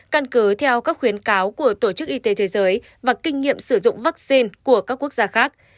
căn cứ theo các khuyến cáo của tổ chức y tế thế giới và kinh nghiệm sử dụng vaccine của các quốc gia khác